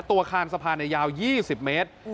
ตัวคานสะพานในยาว๒๐เมตร